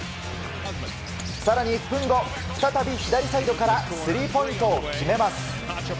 更に１分後、再び左サイドからスリーポイントを決めます。